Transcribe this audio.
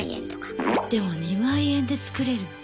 でも２万円で作れるの？